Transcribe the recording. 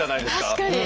確かに。